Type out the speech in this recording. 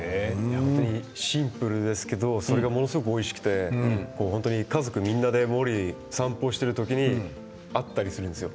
シンプルですけどそれがものすごくおいしくて家族みんなで森を散歩している時に会ったりするんですよ。